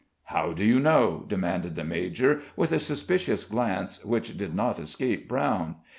"How do you know?" demanded the major, with a suspicious glance, which did not escape Brown.